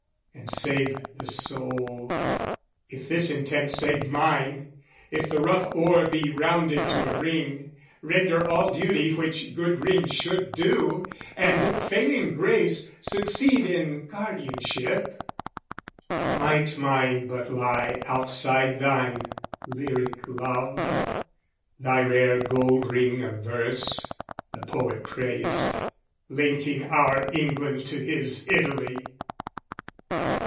And save the soul! If this intent save mine, If the rough ore be rounded to a ring, Render all duty which good ring should do, And, failing grace, succeed in guardianship, Might mine but lie outside thine, Lyric Love, Thy rare gold ring of verse (the poet praised) Linking our England to his Italy!